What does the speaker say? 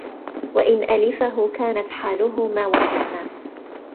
وَإِنْ أَلِفَهُ كَانَتْ حَالُهُ مَا وَصَفْنَا